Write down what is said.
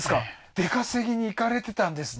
出稼ぎに行かれてたんですね